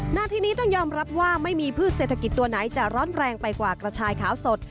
หน้าที่นี้ต้องยอมรับว่าไม่มีพืชเศรษฐกิจตัวไหนจะร้อนแรงไปกว่ากระชายขาวสด